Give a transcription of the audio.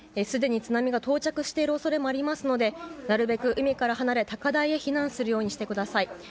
すでに津波が到着している恐れもありますのでなるべく海から離れ高台へ避難するようにしてください。